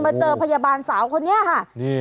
จนเจอพยาบาลสาวคนแล้วก็เขียนรถมอนตาไปรถมอเตอร์ไซค์